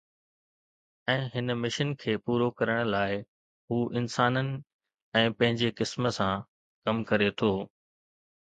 ۽ هن مشن کي پورو ڪرڻ لاء، هو انسانن ۽ پنهنجي قسم سان ڪم ڪري ٿو